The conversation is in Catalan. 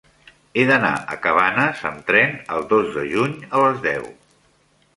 He d'anar a Cabanes amb tren el dos de juny a les deu.